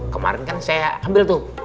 kemarin kan saya ambil tuh